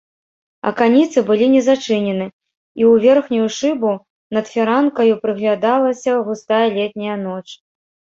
Аканіцы былі не зачынены, і ў верхнюю шыбу над фіранкаю прыглядалася густая летняя ноч.